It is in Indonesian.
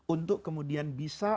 untuk kemudian bisa